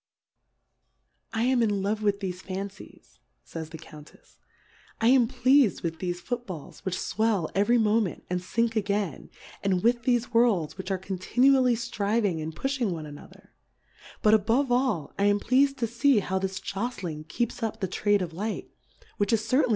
I am in love with thefe Fancies, y^jj floe Count tfs'^ I am pleas'd with thefe Foot Balls, which fwell every Moment, and fink again, and with thefe Worlds, which are continually ft riving and pufh ing one another : But above all, I am pleas'd to fee how this joftling keeps up the Trade of Light, which is certainly the Plurality ^/WORLDS.